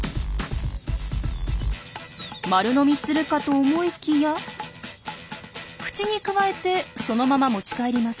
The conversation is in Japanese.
丸飲みするかと思いきや口にくわえてそのまま持ち帰ります。